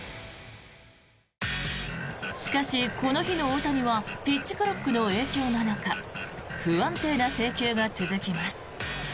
しかし、この日の大谷はピッチクロックの影響なのか不安定な制球が続きます。